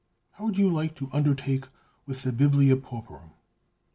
How would you like to undertake with the 'Biblia Pauperum?